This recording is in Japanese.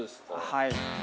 ◆はい。